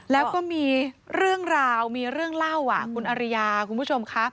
แล้วก็มีเรื่องราวมีเรื่องเล่าคุณอริยาคุณผู้ชมค่ะ